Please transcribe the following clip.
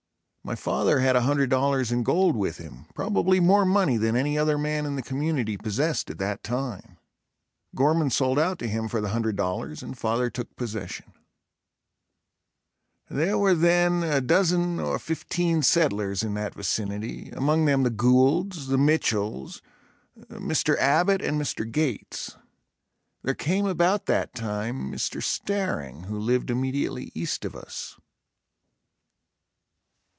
My father had $100.00 in gold with him, probably more money than any other man in the community possessed at that time. Gorman sold out to him for the $100.00 and father took possession. There were then a dozen or fifteen settlers in that vicinity, among them the Goulds, the Mitchells, Mr. Abbott and Mr. Gates. There came about that time, Mr. Staring, who lived immediately east of us.